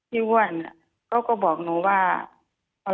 ที่อ้วนก็บอกหนูว่า